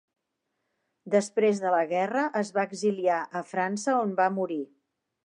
Després de la guerra es va exiliar a França, on va morir.